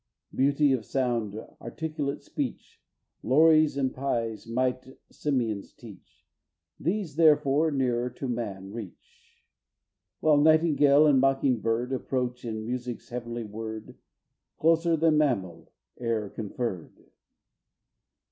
Beauty of sound, articulate speech, Lories and pyes might simians teach, These, therefore, nearer to man reach; While nightingale and mocking bird, Approach, in music's heavenly word, Closer than mammal e'er conferred.